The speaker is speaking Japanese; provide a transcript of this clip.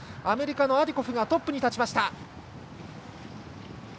アメリカのアディコフがトップに立ちました。